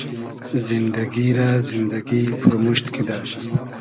زیندئگی رۂ زیندئگی پورمورشت کیدۂ